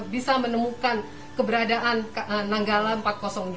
bisa menemukan keberadaan nanggala empat ratus dua